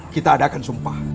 kita adakan sumpah